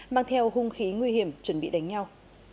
mang theo hung khí nguy hiểm chuẩn bị đánh nhau